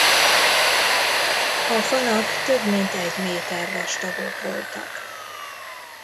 A falak több mint egy méter vastagok voltak.